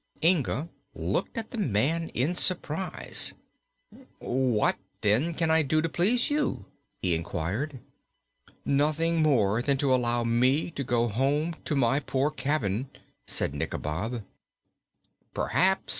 Inga looked at the man in surprise. "What, then, can I do to please you?" he inquired. "Nothing more than to allow me to go home to my poor cabin," said Nikobob.